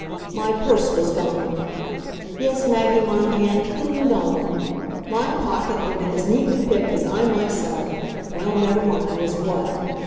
My purse was gone. Yes, Maggie Monahan, clean gone! My pocket had been as neatly picked as I myself well, never mind, as what.